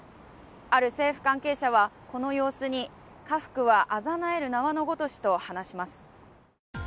ある政府関係者は、この様子に禍福はあざなえる縄のごとしと話します。